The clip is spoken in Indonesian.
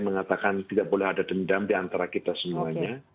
mengatakan tidak boleh ada dendam diantara kita semuanya